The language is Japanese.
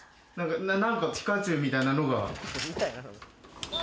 なんかピカチュウみたいなのが。